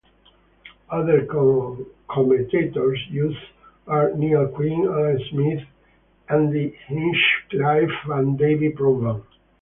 Other co-commentators used are Niall Quinn, Alan Smith, Andy Hinchcliffe and Davie Provan.